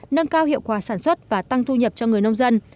nâng cao hiệu quả sản xuất và tăng thu nhập cho người nông dân